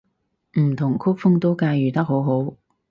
唔同曲風都駕馭得好好